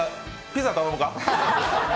ピザ頼むか？